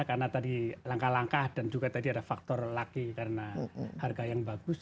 karena tadi langkah langkah dan juga tadi ada faktor laki karena harga yang bagus